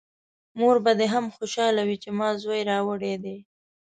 مور به دې هم خوشحاله وي چې ما زوی راوړی دی!